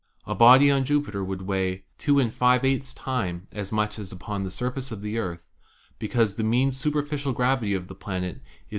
A body on Jupiter would weigh 2^$ times as much as upon the surface of the Earth, because the mean superficial gravity of the planet is 2.